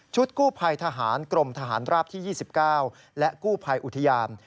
กู้ภัยทหารกรมทหารราบที่๒๙และกู้ภัยอุทยาน